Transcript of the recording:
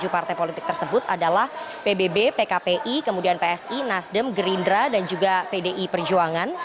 tujuh partai politik tersebut adalah pbb pkpi kemudian psi nasdem gerindra dan juga pdi perjuangan